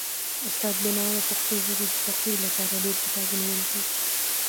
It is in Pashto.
استاد بینوا د پښتو ژبې د تقويي لپاره ډېر کتابونه ولیکل.